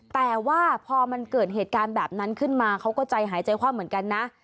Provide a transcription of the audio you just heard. แต่ว่าพอมันเกิดเหตุการณ์แบบนั้นขึ้นมาเขาก็ใจหายใจความเหมือนกันนะ